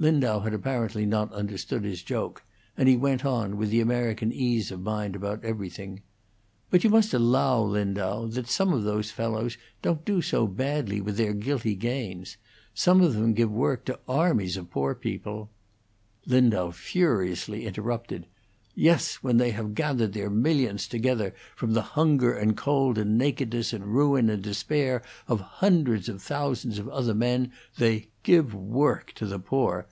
Lindau had apparently not understood his joke, and he went on, with the American ease of mind about everything: "But you must allow, Lindau, that some of those fellows don't do so badly with their guilty gains. Some of them give work to armies of poor people " Lindau furiously interrupted: "Yes, when they have gathered their millions together from the hunger and cold and nakedness and ruin and despair of hundreds of thousands of other men, they 'give work' to the poor!